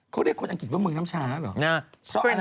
เขาเรียกคนอังกฤษว่าเมืองน้ำชาเหรอ